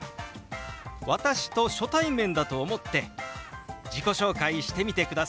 私と初対面だと思って自己紹介してみてください。